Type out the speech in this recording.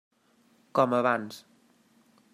Com abans.